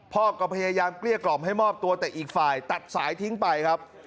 พ่อก็พยายามเกลี้ยกล่อมให้มอบตัวแต่อีกฝ่ายตัดสายทิ้งไปครับ